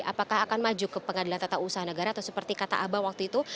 apakah akan maju ke pengadilan tata usaha negara atau seperti kata abang waktu itu